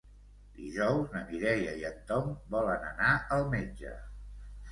Dijous na Mireia i en Tom volen anar al metge.